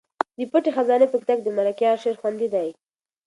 د پټې خزانې په کتاب کې د ملکیار شعر خوندي دی.